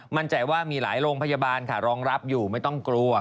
มั่นใจว่ามีหลายโรงพยาบาลค่ะรองรับอยู่ไม่ต้องกลัว